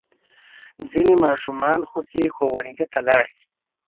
ځینې ماشومان خو چې ښوونځي ته لاړ شي.